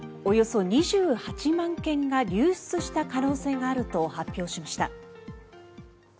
およそ２８万件が流出した可能性があると発表しました。